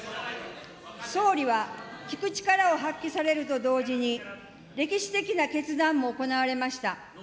総理は聞く力を発揮されると同時に、歴史的な決断も行われました。